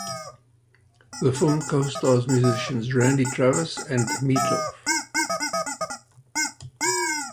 The film co-stars musicians Randy Travis and Meat Loaf.